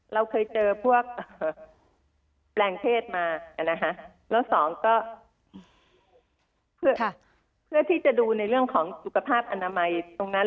เราเคยเจอพวกแปลงเพศมานะคะแล้วสองก็เพื่อที่จะดูในเรื่องของสุขภาพอนามัยตรงนั้น